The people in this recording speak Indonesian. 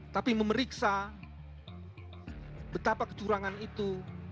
tapi memeriksa betapa kecurangan itu